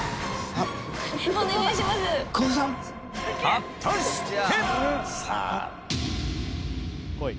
果たして！